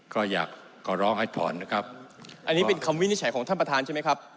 ก็อยากขอร้องให้ถอนนะครับอันนี้เป็นคำวินิจฉัยของท่านประธานใช่ไหมครับ